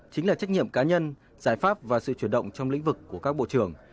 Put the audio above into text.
chính là trách nhiệm cá nhân giải pháp và sự chuyển động trong lĩnh vực của các bộ trưởng